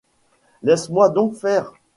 Laisse-moi donc faire.